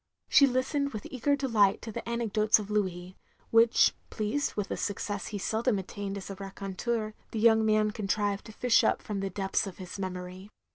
She listened with eager deKght to the anecdotes of Louis; which, pleased with a success he seldom attained as a raconteur, the young man contrived to fish up from the depths of his memory.